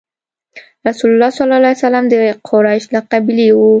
رسول الله ﷺ د قریش له قبیلې وو.